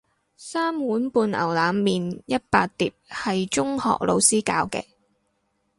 三碗半牛腩麵一百碟係中學老師教嘅